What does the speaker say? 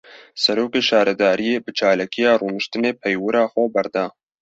Serokê şaredariyê, bi çalakiya rûniştinê peywira xwe berda